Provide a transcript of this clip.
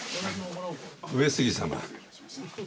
上杉様。